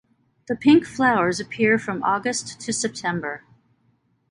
The pink flowers appear from August to September.